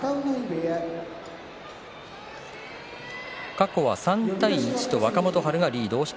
過去は３対１と若元春がリードです。